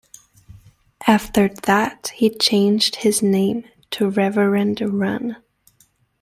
After that he changed his name to "Reverend Run".